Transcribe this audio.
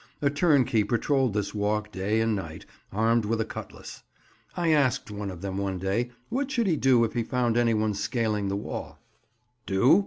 A turnkey patrolled this walk day and night, armed with a cutlass. I asked one of them one day what he should do if he found anyone scaling the wall. "Do?"